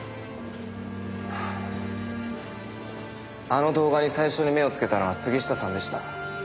あの動画に最初に目をつけたのは杉下さんでした。